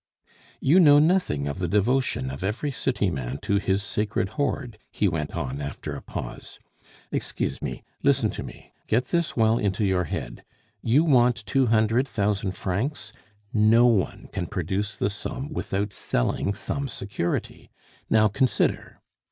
"You know nothing of the devotion of every city man to his sacred hoard!" he went on, after a pause. "Excuse me. Listen to me. Get this well into your head. You want two hundred thousand francs? No one can produce the sum without selling some security. Now consider!